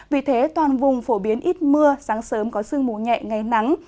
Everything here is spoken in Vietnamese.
vì thế toàn vùng phổ biến ít mưa sáng sớm có sương mù nhẹ ngày nắng